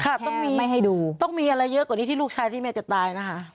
ต้องมีไม่ให้ดูต้องมีอะไรเยอะกว่านี้ที่ลูกชายที่แม่จะตายนะคะ